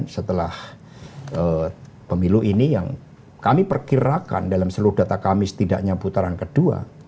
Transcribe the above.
setelah pemilu ini yang kami perkirakan dalam seluruh data kami setidaknya putaran kedua